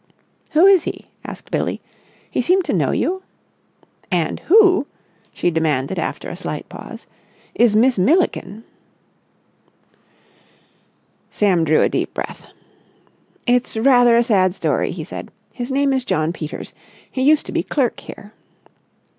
"Who is he?" asked Billie. "He seemed to know you? And who," she demanded after a slight pause, "is Miss Milliken?" Sam drew a deep breath. "It's rather a sad story," he said. "His name is John Peters. He used to be clerk here."